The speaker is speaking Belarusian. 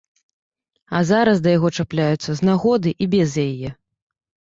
А зараз да яго чапляюцца з нагоды і без яе.